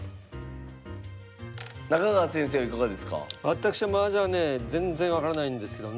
私はマージャンはね全然分からないんですけどね